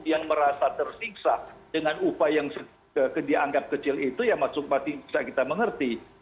yang merasa tersiksa dengan upah yang dianggap kecil itu ya maksudnya kita bisa mengerti